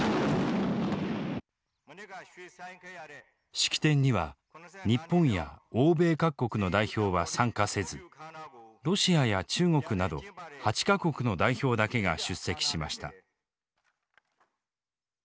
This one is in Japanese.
式典には日本や欧米各国の代表は参加せずロシアや中国など８か国の代表だけが出席しました。